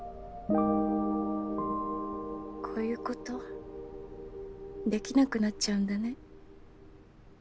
こういうことできなくなっちゃうんだね。